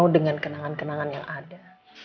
dengan kenangan kenangan yang ada